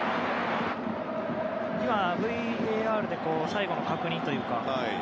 ＶＡＲで最後の確認というか。